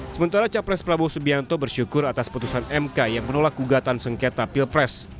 sementara capres prabowo subianto bersyukur atas putusan mk yang menolak gugatan sengketa pilpres